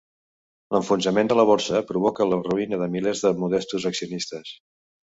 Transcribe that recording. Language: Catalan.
L'enfonsament de la Borsa provoca la ruïna de milers de modestos accionistes.